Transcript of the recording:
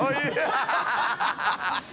ハハハ